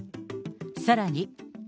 さらに。